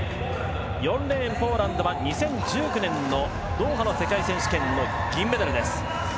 ４レーン、ポーランドは２０１９年のドーハの世界選手権の銀メダルです。